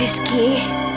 apa sih yang terlalu berat